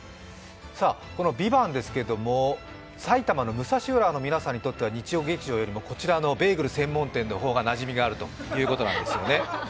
この「ＶＩＶＡＮＴ」ですけれども埼玉の武蔵浦和の皆さんには日曜劇場よりもベーグル専門店の方がなじみがあるということなんですよね。